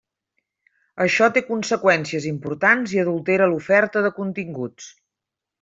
Això té conseqüències importants i adultera l'oferta de continguts.